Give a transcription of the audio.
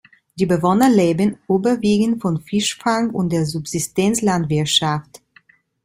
Die Bewohner leben überwiegend von Fischfang und der Subsistenz-Landwirtschaft.